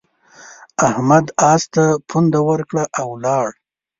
احمد اس ته پونده ورکړه او ولاړ.